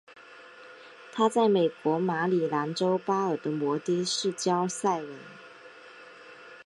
她在美国马里兰州巴尔的摩的市郊塞文。